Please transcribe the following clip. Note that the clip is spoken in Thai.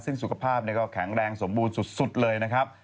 ซึ่งสุขภาพก็แข็งแรงสมบูรณ์สุดเลยนะครับ